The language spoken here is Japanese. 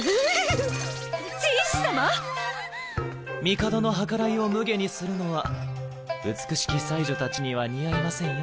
帝の計らいをむげにするのは美しき才女たちには似合いませんよ。